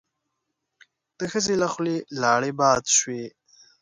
د ښځې له خولې لاړې باد شوې.